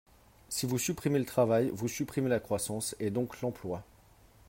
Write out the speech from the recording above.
Si vous supprimez le travail, vous supprimez la croissance, et donc l’emploi.